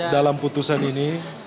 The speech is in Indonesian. dalam putusan ini